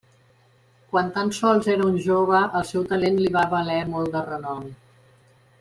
Quan tan sols era un jove, el seu talent li va valer molt de renom.